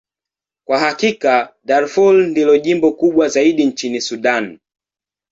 Kwa hakika, Darfur ndilo jimbo kubwa zaidi nchini Sudan.